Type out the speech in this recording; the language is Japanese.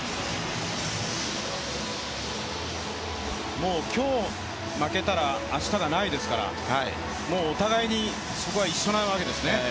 もう今日負けたら明日がないですからお互いにそこは一緒なわけですね。